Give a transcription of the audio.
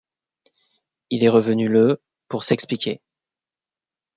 Il est revenu le pour s'expliquer.